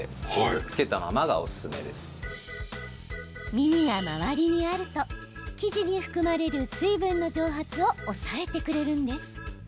耳が周りにあると生地に含まれる水分の蒸発を抑えてくれるんです。